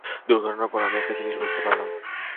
দুর্ঘটনার পর, আমি একটা জিনিস বুঝতে পারলাম।